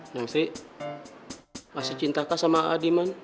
nungsi masih cintakan sama adiman